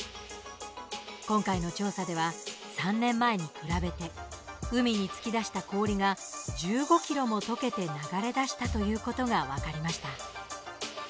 今回の調査では、３年前に比べて海に突き出した氷が１５キロも、とけて流れ出したということが分かりました。